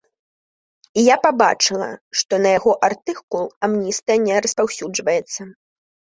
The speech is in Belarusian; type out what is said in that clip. І я пабачыла, што на яго артыкул амністыя не распаўсюджваецца.